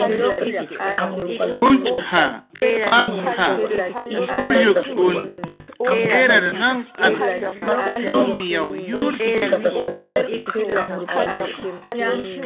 Tz'irar nanq'an junch'i, papa, ulluku shumay yurayki